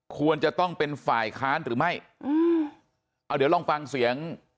ควรจะต้องเป็นฝ่ายค้านหรือไม่อืมเอาเดี๋ยวลองฟังเสียง